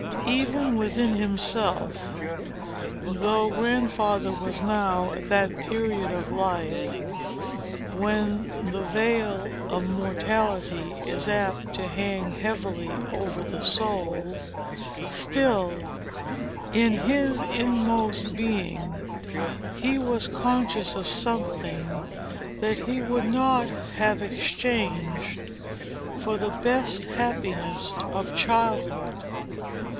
Even within himself,—though Grandfather was now at that period of life, when the veil of mortality is apt to hang heavily over the soul,—still, in his inmost being, he was conscious of something that he would not have exchanged for the best happiness of childhood.